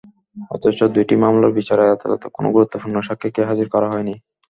অথচ দুটি মামলার বিচারে আদালতে কোনো গুরুত্বপূর্ণ সাক্ষীকেই হাজির করা হয়নি।